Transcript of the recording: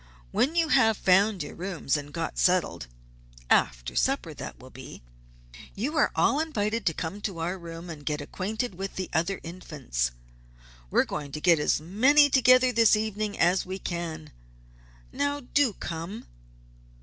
"When you have found your rooms and got settled after supper, that will be, you are all invited to come to our room and get acquainted with the other Infants. We're going to get as many together this evening as we can. Now, do come!"